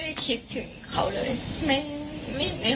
เราอยู่กันยังไง